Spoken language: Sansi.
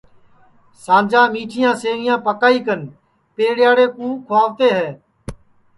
سانجا میٹھیاں سیویاں پکائی کن پیڑیاڑے کُو کُھؤتے ہیں